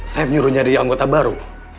saya nyuruh nyari anggota baru